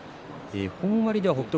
本割では北勝